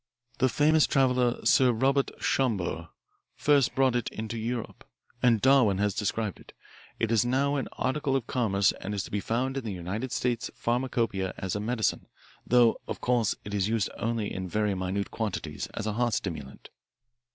"The famous traveller, Sir Robert Schomburgh first brought it into Europe, and Darwin has described it. It is now an article of commerce and is to be found in the United States Pharmacopoeia as a medicine, though of course it is used in only very minute quantities, as a heart stimulant."